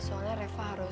soalnya reva harus